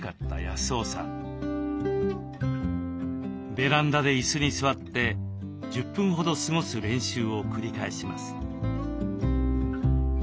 ベランダで椅子に座って１０分ほど過ごす練習を繰り返します。